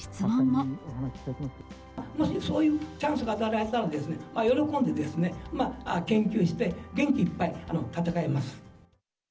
もしそういうチャンスが与えられたらですね、喜んでですね、研究して、元気いっぱい戦います。